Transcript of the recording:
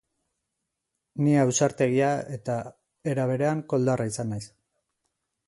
Ni ausartegia eta, era berean, koldarra izan naiz.